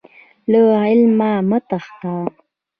له علمه مه تښته.